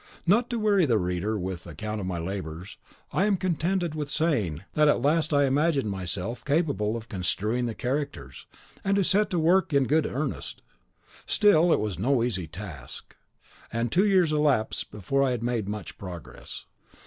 Not to weary the reader with an account of my labours, I am contented with saying that at last I imagined myself capable of construing the characters, and set to work in good earnest. Still it was no easy task, and two years elapsed before I had made much progress.